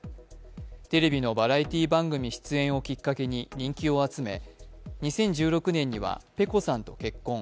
テレビのバラエティー番組出演をきっかけに人気を集め２０１６年にはｐｅｋｏさんと結婚。